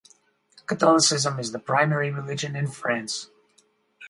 Catholicism is the primary religion in France.